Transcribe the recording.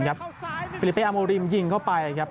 อย่างอาโมริมอาโมริมก็ยิงเข้าไปครับ